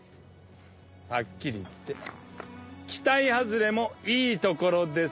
はっきり言って期待外れもいいところです。